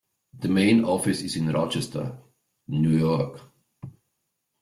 The main office is in Rochester, New York.